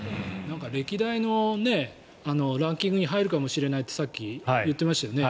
歴代のランキングに入るかもって話をさっき言っていましたよね。